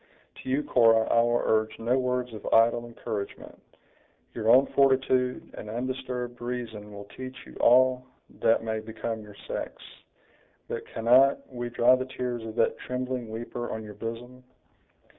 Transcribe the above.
To you, Cora, I will urge no words of idle encouragement; your own fortitude and undisturbed reason will teach you all that may become your sex; but cannot we dry the tears of that trembling weeper on your bosom?"